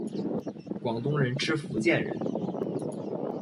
广东人吃福建人！